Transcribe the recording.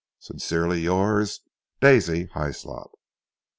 Sincerely yours, "DAISY HYSLOP."